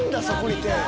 そこに手。